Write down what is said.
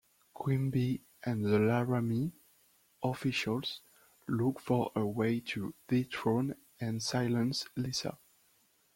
Quimby and the Laramie officials look for a way to dethrone and silence Lisa.